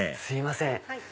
すいません